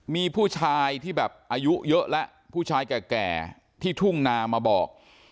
มีผู้ชายที่แบบอายุเยอะแล้วผู้ชายแก่ที่ทุ่งนามาบอก